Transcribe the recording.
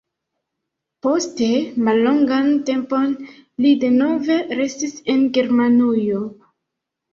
Poste mallongan tempon li denove restis en Germanujo.